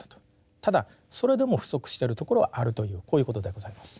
ただそれでも不足してるところはあるというこういうことでございます。